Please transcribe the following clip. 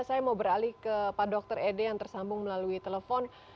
saya mau beralih ke pak dr ede yang tersambung melalui telepon